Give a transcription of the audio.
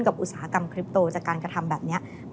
อุตสาหกรรมคลิปโตจากการกระทำแบบนี้